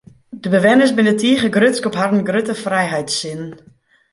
De bewenners binne tige grutsk op harren grutte frijheidssin.